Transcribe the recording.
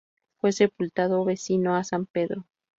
Fue sepultado vecino a san Pedro.